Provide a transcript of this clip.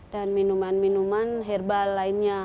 dan minuman minuman herbal lainnya